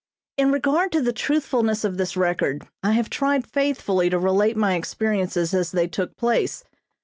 In regard to the truthfulness of this record I have tried faithfully to relate my experiences as they took place.